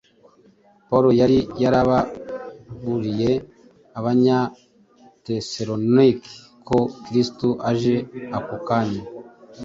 Pawulo yari yaraburiye Abanyatesalonike ko Kristo aje ako kanya.